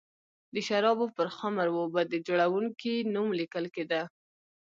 د شرابو پر خُمر و به د جوړوونکي نوم لیکل کېده